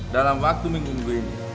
dalam waktu minggu minggu ini